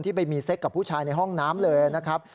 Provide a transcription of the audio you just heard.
ไปมีเซ็กกับผู้ชายในห้องน้ำเลยนะครับ